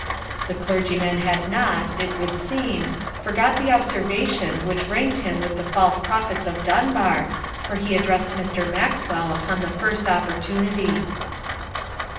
The clergyman had not, it would seem, forgot the observation which ranked him with the false prophets of Dunbar, for he addressed Mr. Maxwell upon the first opportunity.